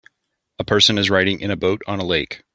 A person is riding in a boat on a lake.